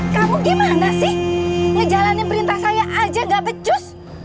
kamu gimana sih ngejalanin perintah saya aja gak becus